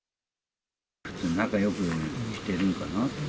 普通に仲よくしてるのかなと。